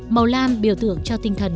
màu lam biểu tượng cho tinh thần